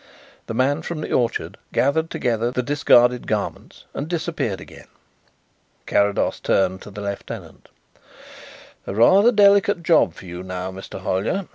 The man from the orchard gathered together the discarded garments and disappeared again. Carrados turned to the lieutenant. "A rather delicate job for you now, Mr. Hollyer.